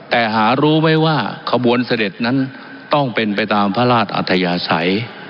แต่หารู้ไหมว่าขบวนเสด็จนั้นต้องเป็นไปตามพระราชอัธยาศัย